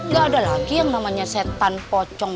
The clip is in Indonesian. gak ada lagi yang namanya setan pocong